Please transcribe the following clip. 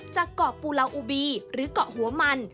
จากเกาะปูลาอุบีหรือเกาะหัวมัน